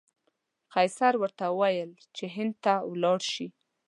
قیصر ورته وویل چې هند ته ولاړ شي.